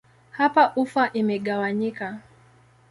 Hapa ufa imegawanyika.